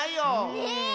ねえ。